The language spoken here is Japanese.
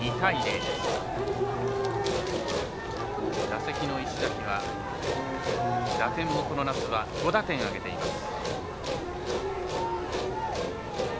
打席の石崎は、打点もこの夏は５打点上げています。